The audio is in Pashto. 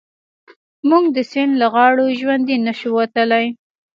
موږ د سيند له غاړو ژوندي نه شو وتلای.